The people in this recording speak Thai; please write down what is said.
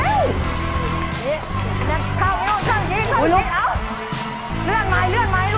เลื่อนไหมเลื่อนไหมลูกเลื่อนไหม